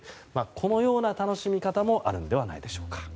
このような楽しみ方もあるのではないでしょうか。